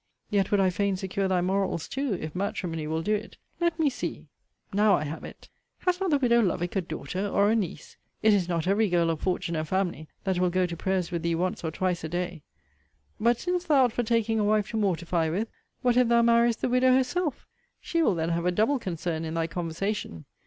* Yet would I fain secure thy morals too, if matrimony will do it. Let me see! Now I have it. Has not the widow Lovick a daughter, or a niece? It is not every girl of fortune and family that will go to prayers with thee once or twice a day. But since thou art for taking a wife to mortify with, what if thou marriest the widow herself? She will then have a double concern in thy conversation.